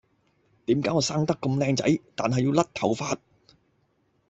點解我生得咁靚仔，但係要甩頭髮